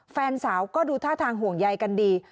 แฟนสาวก็ดูท่าทางห่วงใยกันดี